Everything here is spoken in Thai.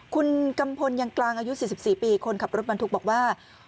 คุณกัมพลยังกลางอายุ๔๔ปีคนขับรถบรรทุกบอกว่า